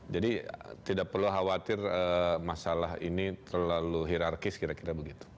jadi tidak perlu khawatir masalah ini terlalu hirarkis kira kira begitu